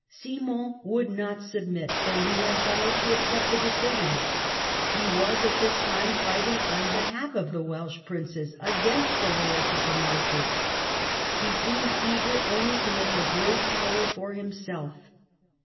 Simon would not submit, though he had vowed to accept the decision. He was at this time fighting on behalf of the Welsh princes against the lords of the Marches. He seemed eager only to make a great power for himself.